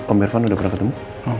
om bervan udah pernah ketemu